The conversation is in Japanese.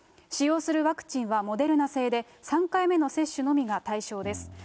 使用するワクチンはモデルナ製で、３回目の接種のみが対象です。